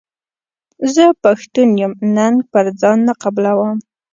زه پښتون یم ننګ پر ځان نه قبلووم.